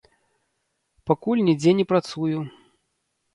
Пакуль нідзе не працую.